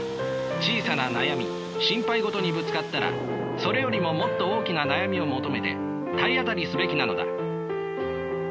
小さな悩み心配事にぶつかったらそれよりももっと大きな悩みを求めて体当たりすべきなのだ。